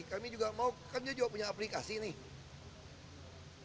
kami juga mau kan dia juga punya aplikasi nih